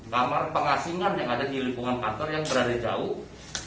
kamar pengasingan yang ada di lingkungan kantor yang berada jauh